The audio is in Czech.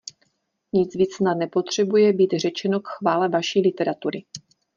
Nic víc snad nepotřebuje být řečeno k chvále vaší literatury.